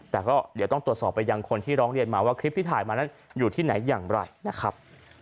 แต่ก็เดี๋ยวต้องตรวจสอบไปยังคนที่ร้องเรียนมาว่าคลิปที่ถ่ายมานั้นอยู่ที่ไหนอย่างไรนะครับ